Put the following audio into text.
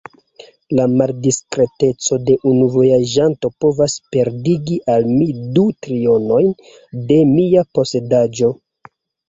La maldiskreteco de unu vojaĝanto povas perdigi al mi du trionojn de mia posedaĵo.